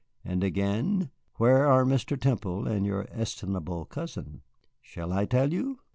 And again, where are Mr. Temple and your estimable cousin? Shall I tell you?